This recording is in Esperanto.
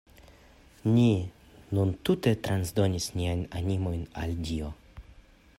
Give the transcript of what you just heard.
Ni nun tute transdonis niajn animojn al Dio.